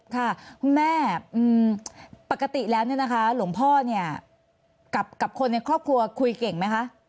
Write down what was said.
ค่ะคุณแม่ปกติแล้วเนี่ยนะคะหลวงพ่อเนี่ยกับคนในครอบครัวคุยเก่งไหมคะ